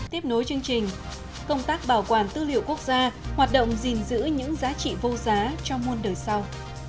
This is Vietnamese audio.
tiếp nối chương trình công tác bảo quản tư liệu quốc gia hoạt động gìn giữ những giá trị vô giá cho muôn đời sau